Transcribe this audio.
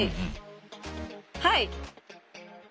はい。